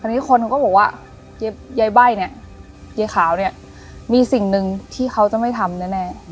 ทีนี้คนเขาก็บอกว่ายายใบ้เนี่ยยายขาวเนี่ยมีสิ่งหนึ่งที่เขาจะไม่ทำแน่